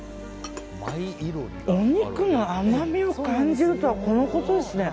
お肉の甘みを感じるとはこのことですね。